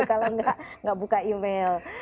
kalau tidak tidak buka email